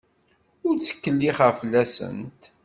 Ur ttkileɣ fell-asent.